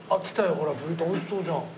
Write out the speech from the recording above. ほらブリトー美味しそうじゃん。